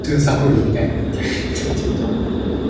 抓龜走鱉